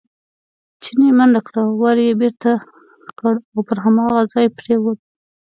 چیني منډه کړه، ور یې بېرته کړ او پر هماغه ځای پرېوت.